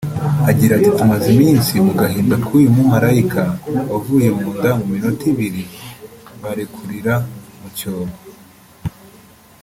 Agira ati “Tumaze iminsi mu gahinda k’uyu mumarayika wavuye mu nda mu minota ibiri barekurira mu cyobo